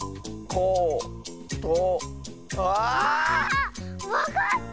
ああっ⁉わかった！